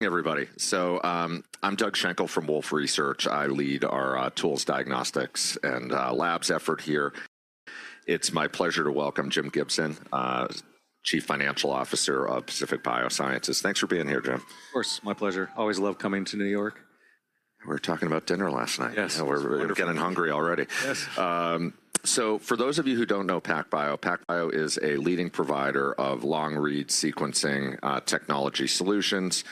Hey, everybody. I'm Doug Shankle from Wolfe Research. I lead our tools, diagnostics, and labs effort here. It's my pleasure to welcome Jim Gibson, Chief Financial Officer of Pacific Biosciences. Thanks for being here, Jim. Of course. My pleasure. Always love coming to New York. We were talking about dinner last night. Yes. Now we're getting hungry already. Yes. For those of you who don't know PacBio, PacBio is a leading provider of long-read sequencing technology solutions.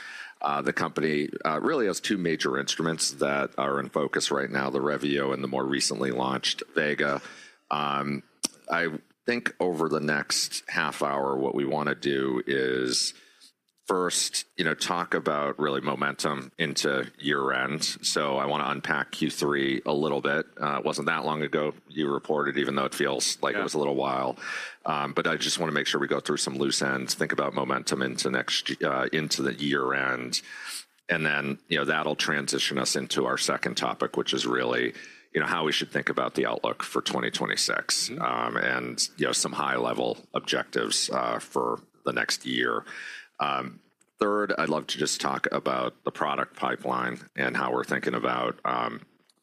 The company really has two major instruments that are in focus right now: the Revio and the more recently launched Vega. I think over the next half hour, what we want to do is first, you know, talk about really momentum into year-end. I want to unpack Q3 a little bit. It wasn't that long ago you reported, even though it feels like it was a little while. I just want to make sure we go through some loose ends, think about momentum into next, into the year-end. That'll transition us into our second topic, which is really, you know, how we should think about the outlook for 2026, and, you know, some high-level objectives for the next year. Third, I'd love to just talk about the product pipeline and how we're thinking about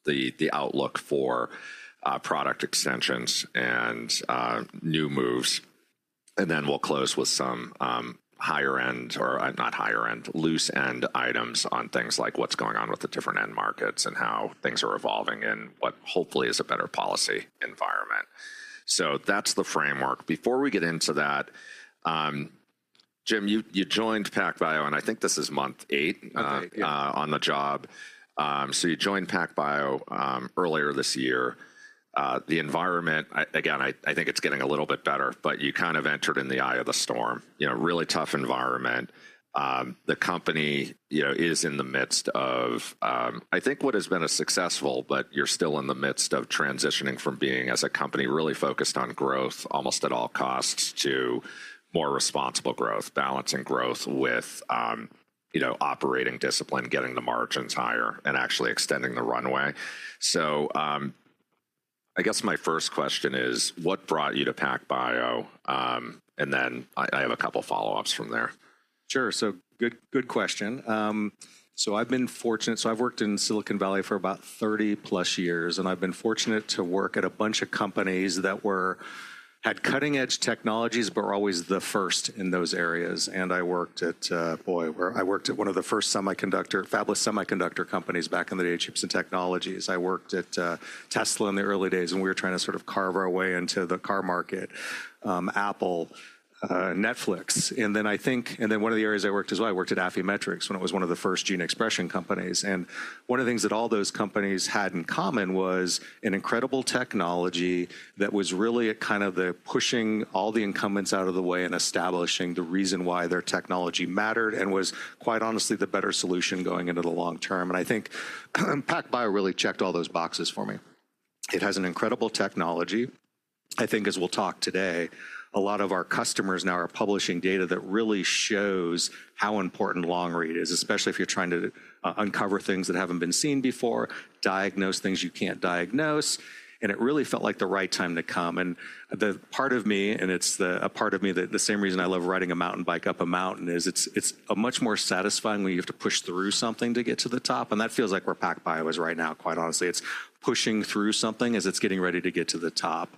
the outlook for product extensions and new moves. And then we'll close with some higher-end, or not higher-end, loose-end items on things like what's going on with the different end markets and how things are evolving and what hopefully is a better policy environment. That's the framework. Before we get into that, Jim, you joined PacBio, and I think this is month eight on the job. You joined PacBio earlier this year. The environment, I think it's getting a little bit better, but you kind of entered in the eye of the storm, you know, really tough environment. The company, you know, is in the midst of, I think what has been a successful, but you're still in the midst of transitioning from being as a company really focused on growth almost at all costs to more responsible growth, balancing growth with, you know, operating discipline, getting the margins higher, and actually extending the runway. I guess my first question is, what brought you to PacBio? And then I, I have a couple follow-ups from there. Sure. Good question. I've been fortunate. I've worked in Silicon Valley for about 30+ years, and I've been fortunate to work at a bunch of companies that had cutting-edge technologies but were always the first in those areas. I worked at, boy, I worked at one of the first fabless semiconductor companies back in the day at Gibson Technologies. I worked at Tesla in the early days, and we were trying to sort of carve our way into the car market, Apple, Netflix. I think one of the areas I worked as well, I worked at Affymetrix when it was one of the first gene expression companies. One of the things that all those companies had in common was an incredible technology that was really at kind of the pushing all the incumbents out of the way and establishing the reason why their technology mattered and was, quite honestly, the better solution going into the long term. I think PacBio really checked all those boxes for me. It has an incredible technology. I think as we'll talk today, a lot of our customers now are publishing data that really shows how important long-read is, especially if you're trying to uncover things that haven't been seen before, diagnose things you can't diagnose. It really felt like the right time to come. The part of me, and it's the, a part of me that the same reason I love riding a mountain bike up a mountain is it's, it's much more satisfying when you have to push through something to get to the top. That feels like where PacBio is right now, quite honestly. It's pushing through something as it's getting ready to get to the top.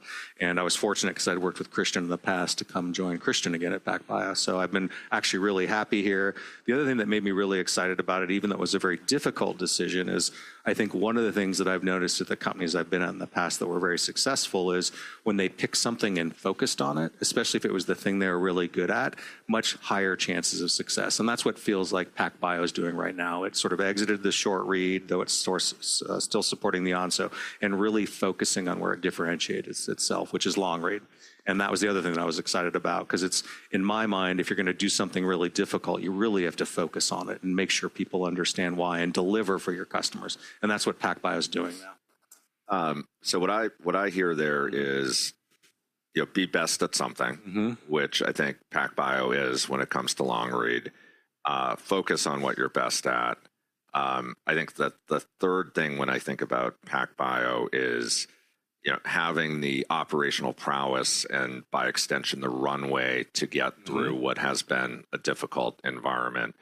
I was fortunate because I'd worked with Christian in the past to come join Christian again at PacBio. I've been actually really happy here. The other thing that made me really excited about it, even though it was a very difficult decision, is I think one of the things that I've noticed at the companies I've been at in the past that were very successful is when they picked something and focused on it, especially if it was the thing they were really good at, much higher chances of success. That is what feels like PacBio is doing right now. It sort of exited the short read, though it's still supporting the onset, and really focusing on where it differentiates itself, which is long-read. That was the other thing that I was excited about because it's, in my mind, if you're going to do something really difficult, you really have to focus on it and make sure people understand why and deliver for your customers. That is what PacBio is doing now. What I hear there is, you know, be best at something, which I think PacBio is when it comes to long-read, focus on what you're best at. I think that the third thing when I think about PacBio is, you know, having the operational prowess and by extension the runway to get through what has been a difficult environment.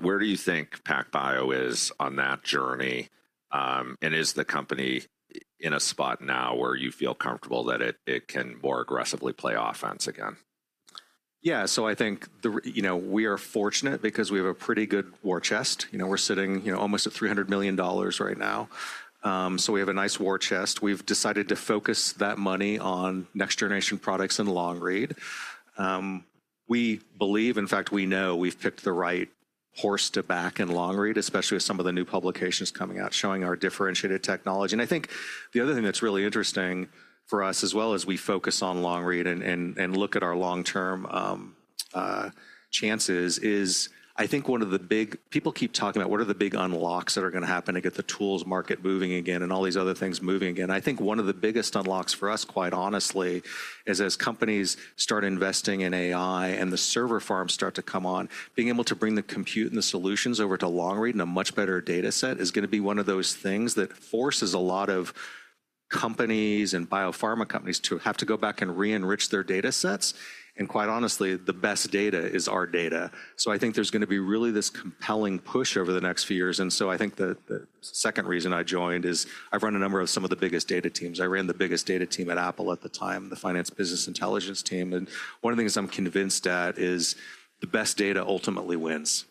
Where do you think PacBio is on that journey? And is the company in a spot now where you feel comfortable that it can more aggressively play offense again? Yeah, so I think the, you know, we are fortunate because we have a pretty good war chest. You know, we're sitting, you know, almost at $300 million right now. So we have a nice war chest. We've decided to focus that money on next-generation products and long-read. We believe, in fact, we know we've picked the right horse to back in long-read, especially with some of the new publications coming out showing our differentiated technology. I think the other thing that's really interesting for us as well as we focus on long-read and look at our long-term chances is I think one of the big people keep talking about what are the big unlocks that are going to happen to get the tools market moving again and all these other things moving again. I think one of the biggest unlocks for us, quite honestly, is as companies start investing in AI and the server farms start to come on, being able to bring the compute and the solutions over to long-read and a much better data set is going to be one of those things that forces a lot of companies and biopharma companies to have to go back and re-enrich their data sets. Quite honestly, the best data is our data. I think there's going to be really this compelling push over the next few years. I think the second reason I joined is I've run a number of some of the biggest data teams. I ran the biggest data team at Apple at the time, the finance business intelligence team. One of the things I'm convinced at is the best data ultimately wins.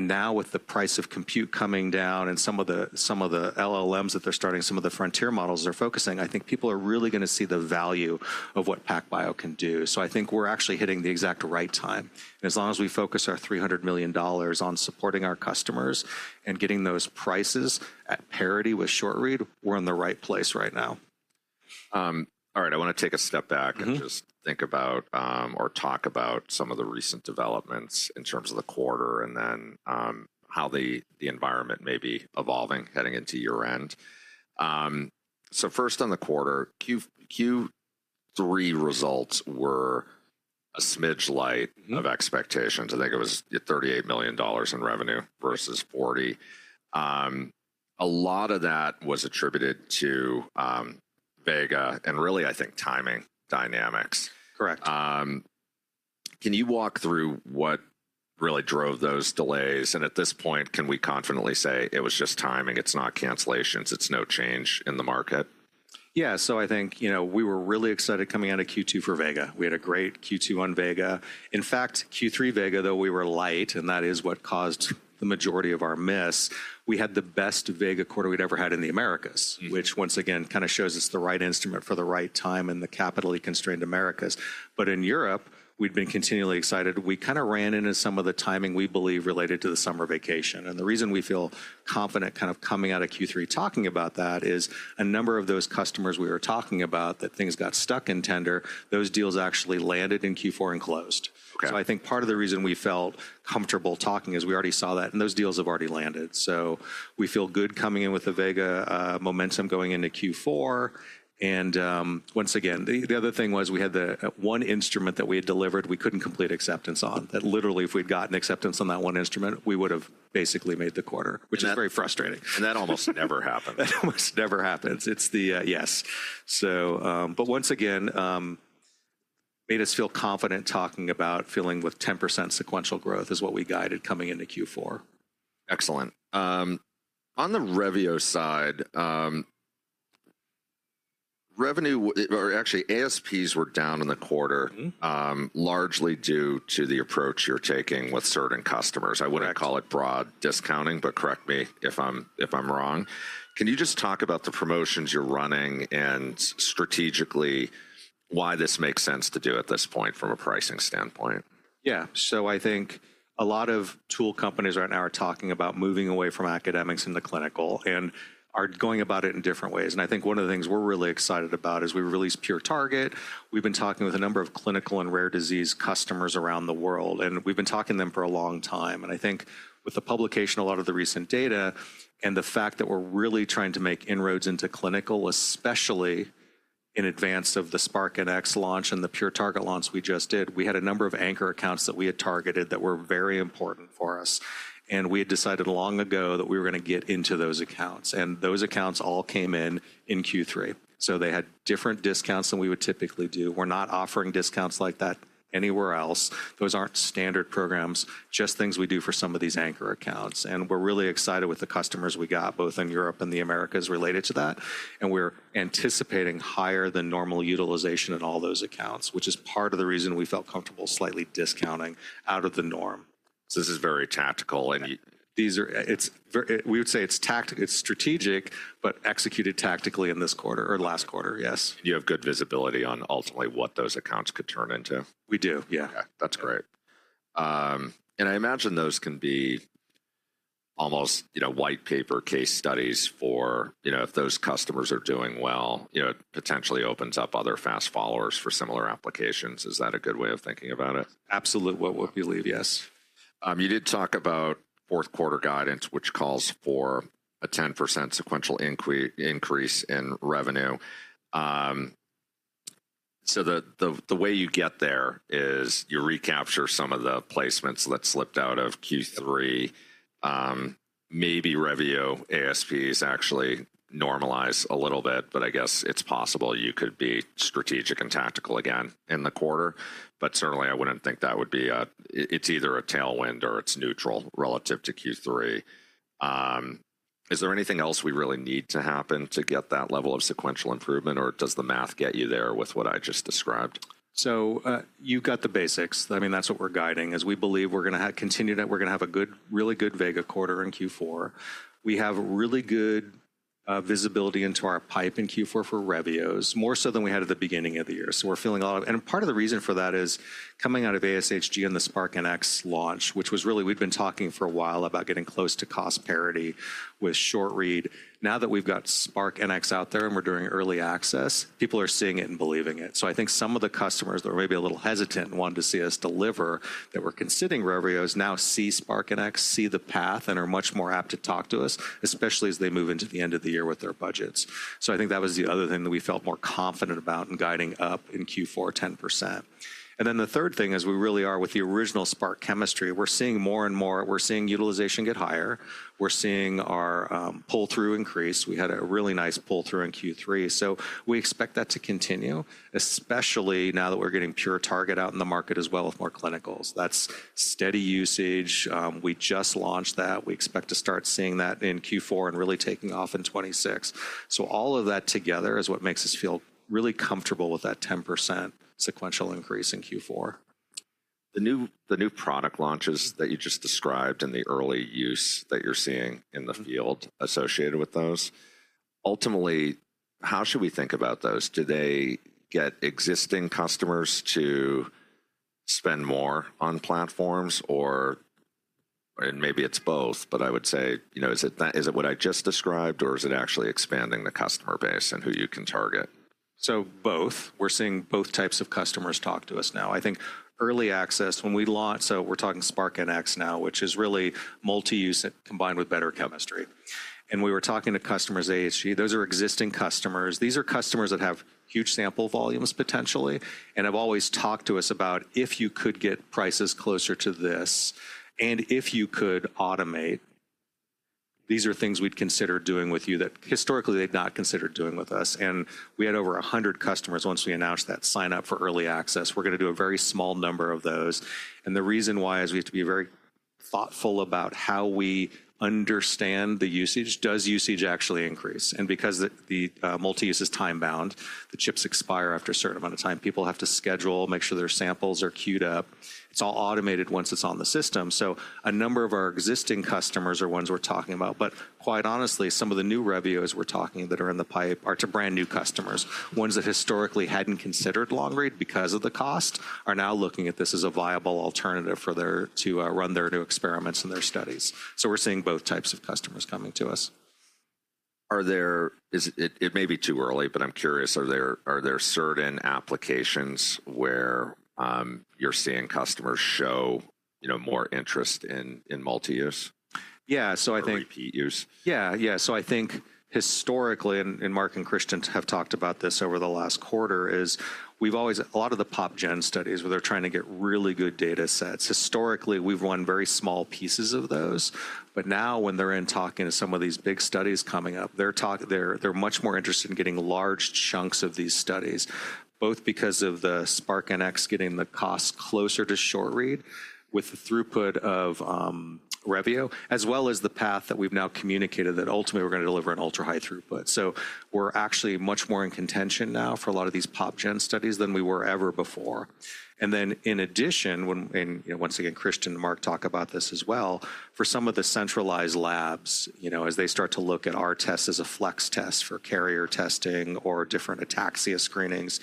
Now with the price of compute coming down and some of the LLMs that they're starting, some of the frontier models they're focusing on, I think people are really going to see the value of what PacBio can do. I think we're actually hitting the exact right time. As long as we focus our $300 million on supporting our customers and getting those prices at parity with short-read, we're in the right place right now. All right, I want to take a step back and just think about, or talk about some of the recent developments in terms of the quarter and then, how the environment may be evolving heading into year-end. First on the quarter, Q3 results were a smidge light of expectations. I think it was $38 million in revenue versus $40. A lot of that was attributed to Vega and really I think timing dynamics. Correct. Can you walk through what really drove those delays? At this point, can we confidently say it was just timing? It's not cancellations. It's no change in the market. Yeah, so I think, you know, we were really excited coming out of Q2 for Vega. We had a great Q2 on Vega. In fact, Q3 Vega, though we were light, and that is what caused the majority of our miss, we had the best Vega quarter we had ever had in the Americas, which once again kind of shows us the right instrument for the right time in the capitally constrained Americas. In Europe, we had been continually excited. We kind of ran into some of the timing we believe related to the summer vacation. The reason we feel confident kind of coming out of Q3 talking about that is a number of those customers we were talking about that things got stuck in tender, those deals actually landed in Q4 and closed. Okay. I think part of the reason we felt comfortable talking is we already saw that, and those deals have already landed. We feel good coming in with a Vega, momentum going into Q4. Once again, the other thing was we had the one instrument that we had delivered we could not complete acceptance on. That literally, if we had gotten acceptance on that one instrument, we would have basically made the quarter, which is very frustrating. That almost never happens. That almost never happens. It's the, yes. Once again, made us feel confident talking about feeling with 10% sequential growth is what we guided coming into Q4. Excellent. On the Revio side, revenue, or actually ASPs were down in the quarter, largely due to the approach you're taking with certain customers. I wouldn't call it broad discounting, but correct me if I'm wrong. Can you just talk about the promotions you're running and strategically why this makes sense to do at this point from a pricing standpoint? Yeah, so I think a lot of tool companies right now are talking about moving away from academics into clinical and are going about it in different ways. I think one of the things we're really excited about is we released Pure Target. We've been talking with a number of clinical and rare disease customers around the world, and we've been talking to them for a long time. I think with the publication, a lot of the recent data and the fact that we're really trying to make inroads into clinical, especially in advance of the Spark NX launch and the Pure Target launch we just did, we had a number of anchor accounts that we had targeted that were very important for us. We had decided long ago that we were going to get into those accounts. Those accounts all came in, in Q3. They had different discounts than we would typically do. We're not offering discounts like that anywhere else. Those aren't standard programs, just things we do for some of these anchor accounts. We're really excited with the customers we got, both in Europe and the Americas related to that. We're anticipating higher than normal utilization in all those accounts, which is part of the reason we felt comfortable slightly discounting out of the norm. This is very tactical and. These are, it's very, we would say it's tactical, it's strategic, but executed tactically in this quarter or last quarter, yes. You have good visibility on ultimately what those accounts could turn into. We do, yeah. Okay, that's great. And I imagine those can be almost, you know, white paper case studies for, you know, if those customers are doing well, you know, it potentially opens up other fast followers for similar applications. Is that a good way of thinking about it? Absolutely, what we believe, yes. You did talk about fourth quarter guidance, which calls for a 10% sequential increase in revenue. The way you get there is you recapture some of the placements that slipped out of Q3. Maybe Revio ASPs actually normalize a little bit, but I guess it's possible you could be strategic and tactical again in the quarter. Certainly, I wouldn't think that would be a, it's either a tailwind or it's neutral relative to Q3. Is there anything else we really need to happen to get that level of sequential improvement, or does the math get you there with what I just described? You have got the basics. I mean, that is what we are guiding as we believe we are going to continue to, we are going to have a good, really good Vega quarter in Q4. We have really good visibility into our pipe in Q4 for Revio's, more so than we had at the beginning of the year. We are feeling a lot of, and part of the reason for that is coming out of ASHG and the Spark NX launch, which was really, we have been talking for a while about getting close to cost parity with short-read. Now that we have got Spark NX out there and we are doing early access, people are seeing it and believing it. I think some of the customers that are maybe a little hesitant and wanted to see us deliver that were considering Revio's now see Spark NX, see the path, and are much more apt to talk to us, especially as they move into the end of the year with their budgets. I think that was the other thing that we felt more confident about in guiding up in Q4 10%. The third thing is we really are with the original Spark chemistry. We're seeing more and more, we're seeing utilization get higher. We're seeing our pull-through increase. We had a really nice pull-through in Q3. We expect that to continue, especially now that we're getting Pure Target out in the market as well with more clinicals. That's steady usage. We just launched that. We expect to start seeing that in Q4 and really taking off in 2026. All of that together is what makes us feel really comfortable with that 10% sequential increase in Q4. The new product launches that you just described and the early use that you're seeing in the field associated with those, ultimately, how should we think about those? Do they get existing customers to spend more on platforms or, and maybe it's both, but I would say, you know, is it that, is it what I just described, or is it actually expanding the customer base and who you can target? We're seeing both types of customers talk to us now. I think early access when we launch, so we're talking Spark NX now, which is really multi-use combined with better chemistry. We were talking to customers, ASG. Those are existing customers. These are customers that have huge sample volumes potentially and have always talked to us about if you could get prices closer to this and if you could automate. These are things we'd consider doing with you that historically they'd not considered doing with us. We had over 100 customers once we announced that sign up for early access. We're going to do a very small number of those. The reason why is we have to be very thoughtful about how we understand the usage. Does usage actually increase? Because the multi-use is time-bound, the chips expire after a certain amount of time. People have to schedule, make sure their samples are queued up. It is all automated once it is on the system. A number of our existing customers are ones we are talking about, but quite honestly, some of the new Revios we are talking that are in the pipe are to brand new customers. Ones that historically had not considered long-read because of the cost are now looking at this as a viable alternative for their, to, run their new experiments and their studies. We are seeing both types of customers coming to us. Are there, is it, it may be too early, but I'm curious, are there certain applications where you're seeing customers show, you know, more interest in multi-use? Yeah, so I think. Or repeat use? Yeah, yeah. I think historically, and Mark and Christian have talked about this over the last quarter, we've always, a lot of the pop gen studies where they're trying to get really good data sets, historically we've won very small pieces of those. Now when they're talking to some of these big studies coming up, they're much more interested in getting large chunks of these studies, both because of the Spark NX getting the cost closer to short-read with the throughput of Revio, as well as the path that we've now communicated that ultimately we're going to deliver an ultra-high throughput. We're actually much more in contention now for a lot of these pop gen studies than we were ever before. In addition, when, and you know, once again, Christian and Mark talk about this as well, for some of the centralized labs, you know, as they start to look at our test as a flex test for carrier testing or different ataxia screenings,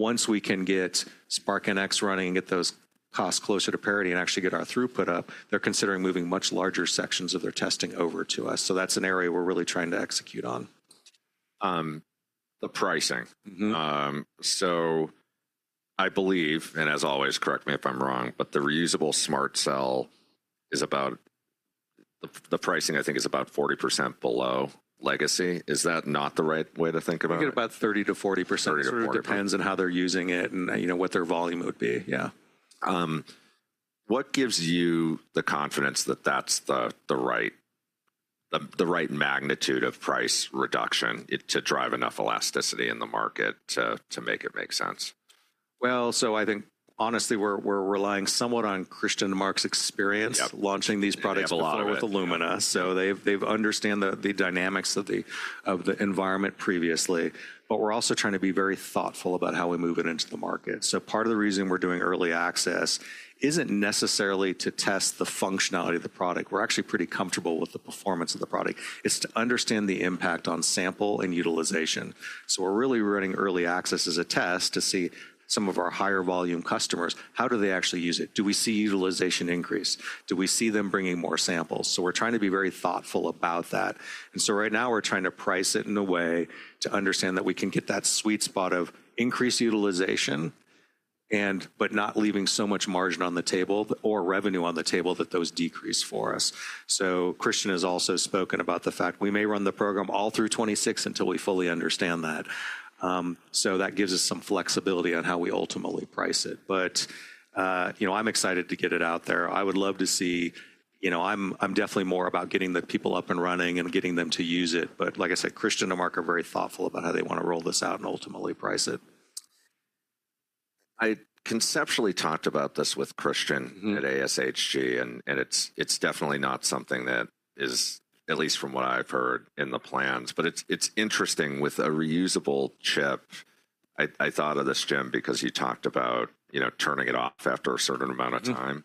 once we can get Spark NX running and get those costs closer to parity and actually get our throughput up, they're considering moving much larger sections of their testing over to us. That is an area we're really trying to execute on. the pricing. Mm-hmm. I believe, and as always, correct me if I'm wrong, but the reusable SMRT Cell is about the, the pricing I think is about 40% below legacy. Is that not the right way to think about it? You get about 30-40% support there. 30–40%. Depends on how they're using it and, you know, what their volume would be, yeah. What gives you the confidence that that's the right magnitude of price reduction to drive enough elasticity in the market to make it make sense? I think honestly we're relying somewhat on Christian and Mark's experience launching these products a lot with Illumina. They've understood the dynamics of the environment previously, but we're also trying to be very thoughtful about how we move it into the market. Part of the reason we're doing early access isn't necessarily to test the functionality of the product. We're actually pretty comfortable with the performance of the product. It's to understand the impact on sample and utilization. We're really running early access as a test to see some of our higher volume customers, how do they actually use it? Do we see utilization increase? Do we see them bringing more samples? We're trying to be very thoughtful about that. Right now we're trying to price it in a way to understand that we can get that sweet spot of increased utilization, but not leaving so much margin on the table or revenue on the table that those decrease for us. Christian has also spoken about the fact we may run the program all through 2026 until we fully understand that. That gives us some flexibility on how we ultimately price it. You know, I'm excited to get it out there. I would love to see, you know, I'm definitely more about getting the people up and running and getting them to use it. Like I said, Christian and Mark are very thoughtful about how they want to roll this out and ultimately price it. I conceptually talked about this with Christian at ASHG, and it's definitely not something that is, at least from what I've heard, in the plans, but it's interesting with a reusable chip. I thought of this, Jim, because you talked about, you know, turning it off after a certain amount of time.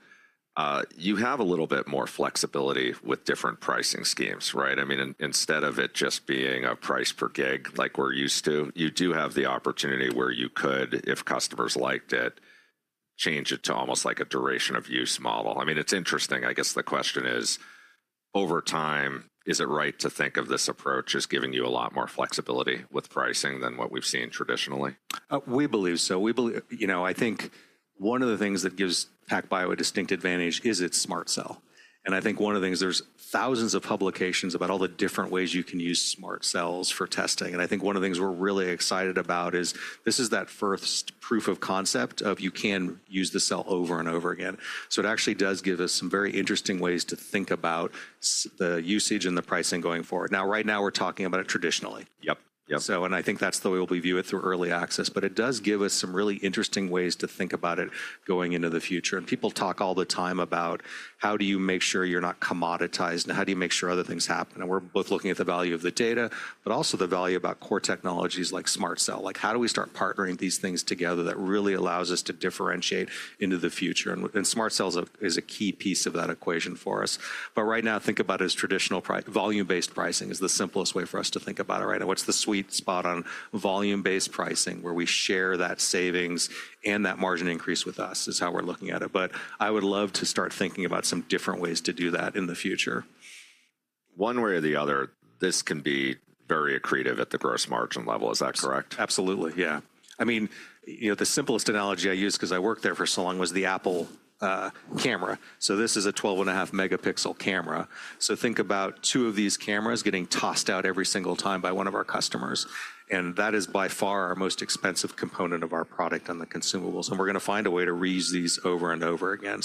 You have a little bit more flexibility with different pricing schemes, right? I mean, instead of it just being a price per gig like we're used to, you do have the opportunity where you could, if customers liked it, change it to almost like a duration of use model. I mean, it's interesting. I guess the question is, over time, is it right to think of this approach as giving you a lot more flexibility with pricing than what we've seen traditionally? We believe so. We believe, you know, I think one of the things that gives PacBio a distinct advantage is its SMRT Cell. I think one of the things, there's thousands of publications about all the different ways you can use SMRT Cells for testing. I think one of the things we're really excited about is this is that first proof of concept of you can use the cell over and over again. It actually does give us some very interesting ways to think about the usage and the pricing going forward. Right now we're talking about it traditionally. Yep, yep. I think that's the way we'll view it through early access, but it does give us some really interesting ways to think about it going into the future. People talk all the time about how do you make sure you're not commoditized and how do you make sure other things happen. We're both looking at the value of the data, but also the value about core technologies like SMRT Cell. Like how do we start partnering these things together that really allows us to differentiate into the future? SMRT Cells is a key piece of that equation for us. Right now, think about it as traditional volume-based pricing is the simplest way for us to think about it right now. What's the sweet spot on volume-based pricing where we share that savings and that margin increase with us is how we're looking at it. I would love to start thinking about some different ways to do that in the future. One way or the other, this can be very accretive at the gross margin level. Is that correct? Absolutely, yeah. I mean, you know, the simplest analogy I use, 'cause I worked there for so long, was the Apple camera. This is a 12.5-megapixel camera. Think about two of these cameras getting tossed out every single time by one of our customers. That is by far our most expensive component of our product on the consumables. We are going to find a way to reuse these over and over again.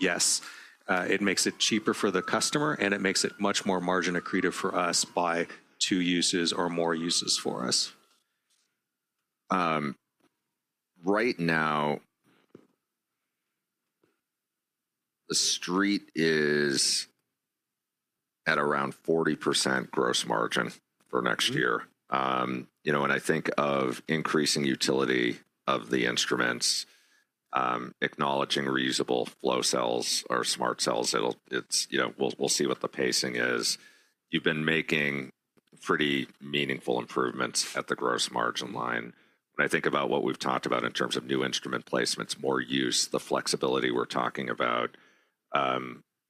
Yes, it makes it cheaper for the customer and it makes it much more margin accretive for us by two uses or more uses for us. Right now, the street is at around 40% gross margin for next year. You know, when I think of increasing utility of the instruments, acknowledging reusable flow cells or SMRT Cells, it'll, it's, you know, we'll see what the pacing is. You've been making pretty meaningful improvements at the gross margin line. When I think about what we've talked about in terms of new instrument placements, more use, the flexibility we're talking about,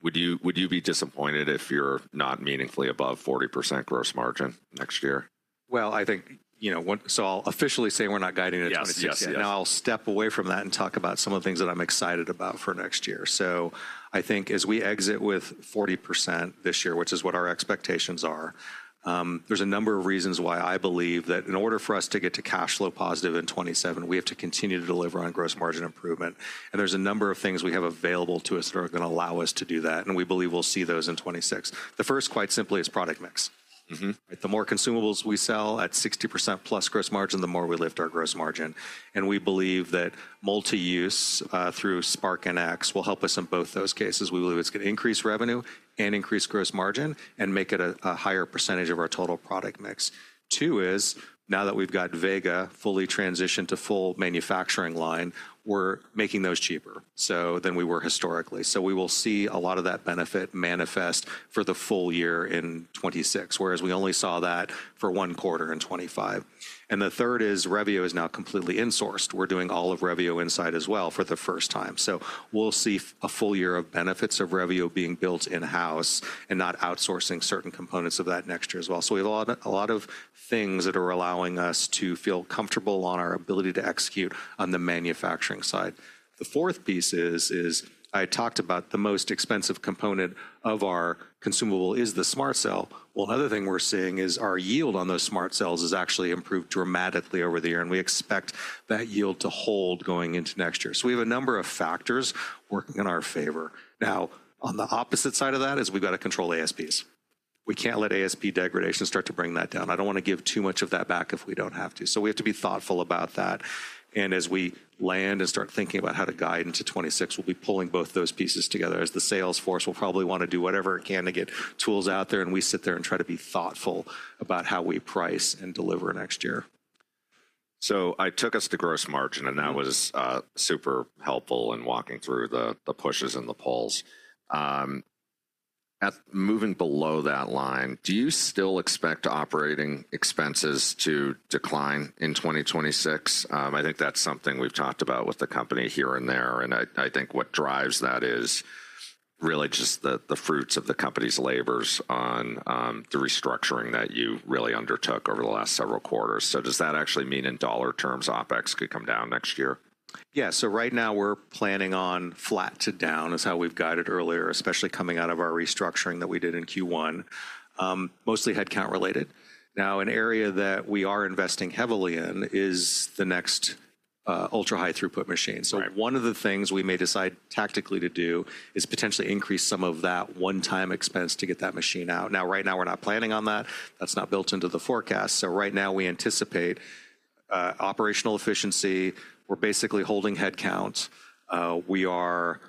would you, would you be disappointed if you're not meaningfully above 40% gross margin next year? I think, you know, one, so I'll officially say we're not guiding it to 2026. Now I'll step away from that and talk about some of the things that I'm excited about for next year. I think as we exit with 40% this year, which is what our expectations are, there's a number of reasons why I believe that in order for us to get to cash flow positive in 2027, we have to continue to deliver on gross margin improvement. There's a number of things we have available to us that are going to allow us to do that. We believe we'll see those in 2026. The first, quite simply, is product mix. Mm-hmm. The more consumables we sell at 60%+ gross margin, the more we lift our gross margin. We believe that multi-use, through Spark NX, will help us in both those cases. We believe it is going to increase revenue and increase gross margin and make it a higher percentage of our total product mix. Two is now that we have got Vega fully transitioned to full manufacturing line, we are making those cheaper than we were historically. We will see a lot of that benefit manifest for the full year in 2026, whereas we only saw that for one quarter in 2025. The third is Revio is now completely insourced. We are doing all of Revio inside as well for the first time. We will see a full year of benefits of Revio being built in-house and not outsourcing certain components of that next year as well. We have a lot, a lot of things that are allowing us to feel comfortable on our ability to execute on the manufacturing side. The fourth piece is, I talked about the most expensive component of our consumable is the SMRT Cell. Another thing we're seeing is our yield on those SMRT Cells has actually improved dramatically over the year, and we expect that yield to hold going into next year. We have a number of factors working in our favor. Now, on the opposite side of that is we've got to control ASPs. We can't let ASP degradation start to bring that down. I don't want to give too much of that back if we don't have to. We have to be thoughtful about that. As we land and start thinking about how to guide into 2026, we'll be pulling both those pieces together as the sales force will probably want to do whatever it can to get tools out there. We sit there and try to be thoughtful about how we price and deliver next year. I took us to gross margin, and that was super helpful in walking through the pushes and the pulls. At moving below that line, do you still expect operating expenses to decline in 2026? I think that's something we've talked about with the company here and there. I think what drives that is really just the fruits of the company's labors on the restructuring that you really undertook over the last several quarters. Does that actually mean in dollar terms OpEx could come down next year? Yeah. Right now we're planning on flat to down is how we've guided earlier, especially coming out of our restructuring that we did in Q1, mostly headcount related. Now, an area that we are investing heavily in is the next, ultra-high throughput machine. One of the things we may decide tactically to do is potentially increase some of that one-time expense to get that machine out. Right now we're not planning on that. That's not built into the forecast. Right now we anticipate operational efficiency. We're basically holding headcount. We are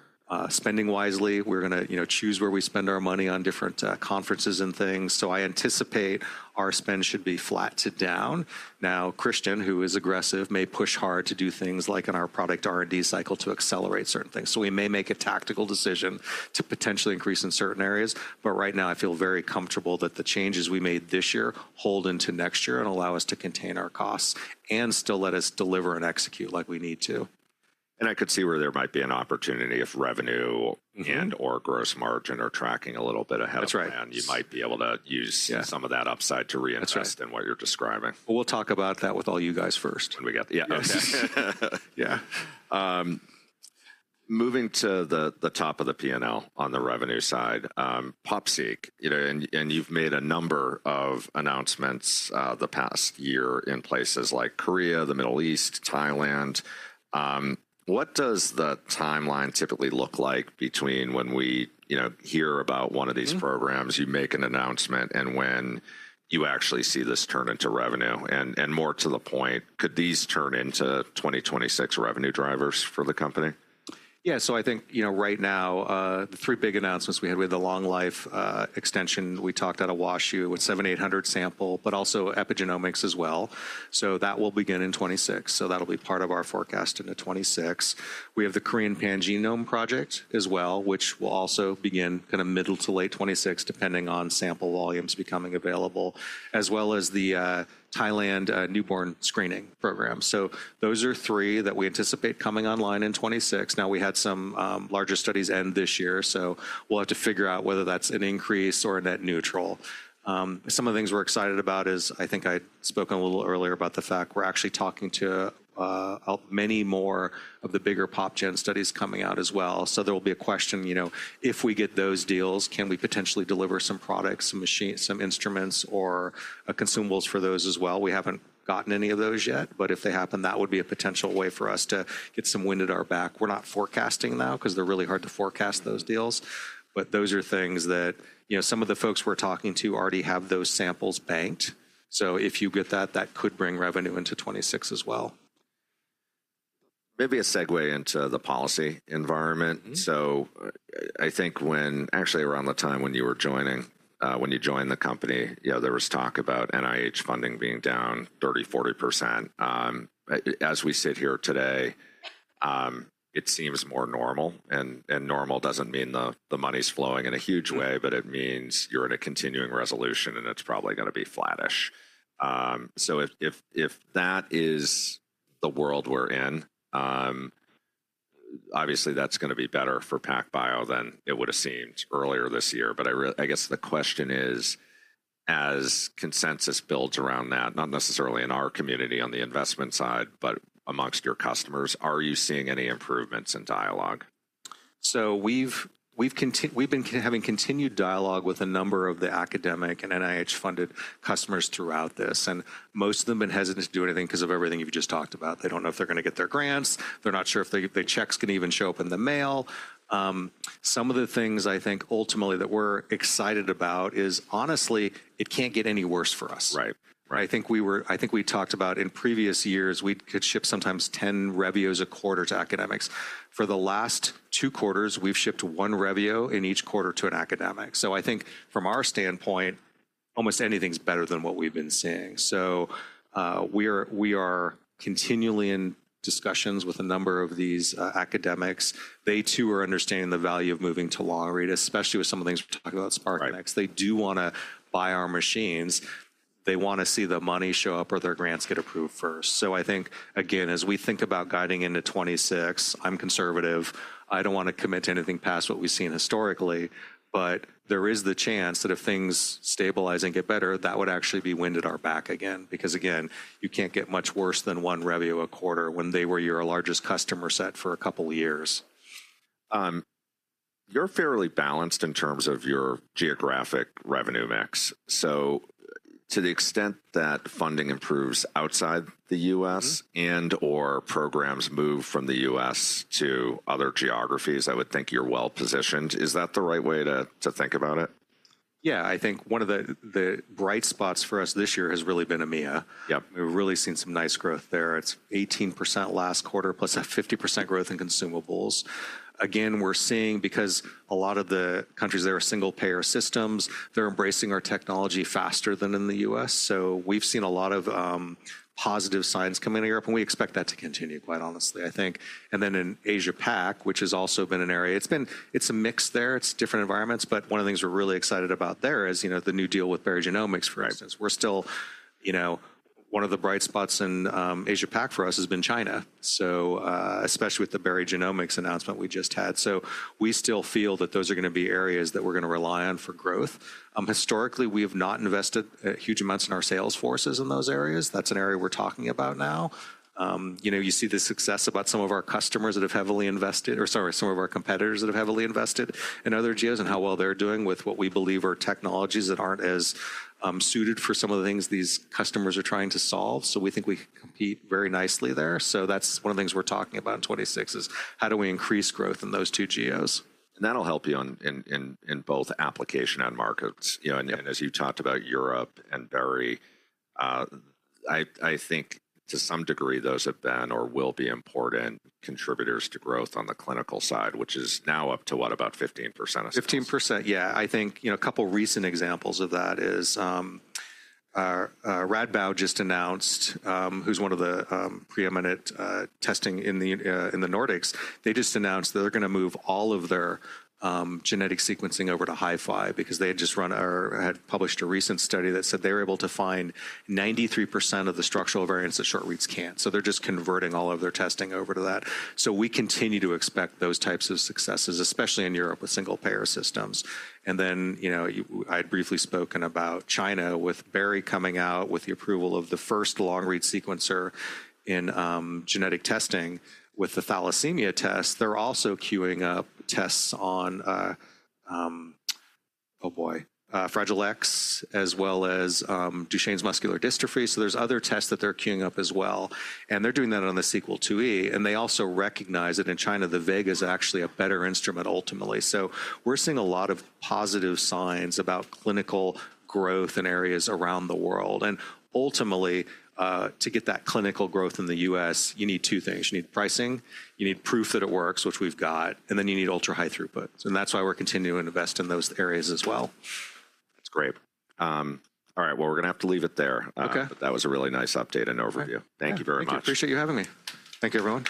spending wisely. We're going to, you know, choose where we spend our money on different conferences and things. I anticipate our spend should be flat to down. Now, Christian, who is aggressive, may push hard to do things like in our product R&D cycle to accelerate certain things. We may make a tactical decision to potentially increase in certain areas. Right now I feel very comfortable that the changes we made this year hold into next year and allow us to contain our costs and still let us deliver and execute like we need to. I could see where there might be an opportunity if revenue and/or gross margin are tracking a little bit ahead of the band. You might be able to use some of that upside to reinvest in what you're describing. We'll talk about that with all you guys first. We got, yeah, okay. Yeah. Moving to the top of the P&L on the revenue side, POPSEEK, you know, and, and you've made a number of announcements the past year in places like Korea, the Middle East, Thailand. What does the timeline typically look like between when we, you know, hear about one of these programs, you make an announcement, and when you actually see this turn into revenue? And, and more to the point, could these turn into 2026 revenue drivers for the company? Yeah. So I think, you know, right now, the three big announcements we had with the long life extension we talked out of WASU with 7,800 samples, but also epigenomics as well. That will begin in 2026. That will be part of our forecast into 2026. We have the Korean Pangenome Project as well, which will also begin kind of middle to late 2026, depending on sample volumes becoming available, as well as the Thailand newborn screening program. Those are three that we anticipate coming online in 2026. Now we had some larger studies end this year, so we'll have to figure out whether that's an increase or a net neutral. Some of the things we're excited about is I think I spoke a little earlier about the fact we're actually talking to many more of the bigger POPGEN studies coming out as well. There will be a question, you know, if we get those deals, can we potentially deliver some products, some machines, some instruments, or consumables for those as well? We haven't gotten any of those yet, but if they happen, that would be a potential way for us to get some wind at our back. We're not forecasting now because they're really hard to forecast, those deals. Those are things that, you know, some of the folks we're talking to already have those samples banked. If you get that, that could bring revenue into 2026 as well. Maybe a segue into the policy environment. I think when actually around the time when you were joining, when you joined the company, you know, there was talk about NIH funding being down 30-40%. As we sit here today, it seems more normal. Normal does not mean the money's flowing in a huge way, but it means you're at a continuing resolution and it's probably going to be flattish. If that is the world we're in, obviously that's going to be better for PacBio than it would have seemed earlier this year. I guess the question is, as consensus builds around that, not necessarily in our community on the investment side, but amongst your customers, are you seeing any improvements in dialogue? We have continued, we have been having continued dialogue with a number of the academic and NIH-funded customers throughout this. Most of them have been hesitant to do anything because of everything you have just talked about. They do not know if they are going to get their grants. They are not sure if their checks can even show up in the mail. Some of the things I think ultimately that we are excited about is honestly, it cannot get any worse for us. Right. I think we were, I think we talked about in previous years, we could ship sometimes 10 Revios a quarter to academics. For the last two quarters, we've shipped one Revio in each quarter to an academic. I think from our standpoint, almost anything's better than what we've been seeing. We are continually in discussions with a number of these academics. They too are understanding the value of moving to long read, especially with some of the things we're talking about Spark NX. They do want to buy our machines. They want to see the money show up or their grants get approved first. I think, again, as we think about guiding into 2026, I'm conservative. I don't want to commit to anything past what we've seen historically, but there is the chance that if things stabilize and get better, that would actually be wind at our back again. Because again, you can't get much worse than one Revio a quarter when they were your largest customer set for a couple of years. You're fairly balanced in terms of your geographic revenue mix. To the extent that funding improves outside the U.S. and/or programs move from the U.S. to other geographies, I would think you're well positioned. Is that the right way to, to think about it? Yeah. I think one of the, the bright spots for us this year has really been EMEA. Yep. We've really seen some nice growth there. It's 18% last quarter plus a 50% growth in consumables. Again, we're seeing because a lot of the countries, they're single payer systems, they're embracing our technology faster than in the U.S. We've seen a lot of positive signs coming to Europe, and we expect that to continue, quite honestly, I think. In Asia-Pac, which has also been an area, it's been, it's a mix there. It's different environments. One of the things we're really excited about there is, you know, the new deal with Barry Genomics, for instance. We're still, you know, one of the bright spots in Asia-Pac for us has been China. Especially with the Barry Genomics announcement we just had. We still feel that those are going to be areas that we're going to rely on for growth. Historically, we have not invested huge amounts in our sales forces in those areas. That's an area we're talking about now. You know, you see the success about some of our customers that have heavily invested, or sorry, some of our competitors that have heavily invested in other GEOs and how well they're doing with what we believe are technologies that aren't as suited for some of the things these customers are trying to solve. We think we compete very nicely there. That's one of the things we're talking about in 2026 is how do we increase growth in those two GEOs? That'll help you in both application and markets, you know, and as you talked about Europe and Barry, I think to some degree those have been or will be important contributors to growth on the clinical side, which is now up to what, about 15%. 15%. Yeah. I think, you know, a couple recent examples of that is, Radboud just announced, who's one of the preeminent testing in the Nordics. They just announced that they're going to move all of their genetic sequencing over to HiFi because they had just run or had published a recent study that said they were able to find 93% of the structural variants that short reads can't. They are just converting all of their testing over to that. We continue to expect those types of successes, especially in Europe with single payer systems. You know, I had briefly spoken about China with Barry coming out with the approval of the first long-read sequencer in genetic testing with the thalassemia test. They're also queuing up tests on, oh boy, Fragile X, as well as Duchenne muscular dystrophy. There are other tests that they are queuing up as well. They are doing that on the Sequel IIe. They also recognize that in China, the Vega is actually a better instrument ultimately. We are seeing a lot of positive signs about clinical growth in areas around the world. Ultimately, to get that clinical growth in the U.S., you need two things. You need pricing, you need proof that it works, which we have got, and then you need ultra high throughput. That is why we are continuing to invest in those areas as well. That's great. All right. We're going to have to leave it there. That was a really nice update and overview. Thank you very much. Thank you. Appreciate you having me. Thank you, everyone.